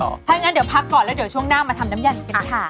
ถ้างั้นเดี๋ยวพักก่อนแล้วเดี๋ยวช่วงหน้ามาทำน้ำยันกันค่ะ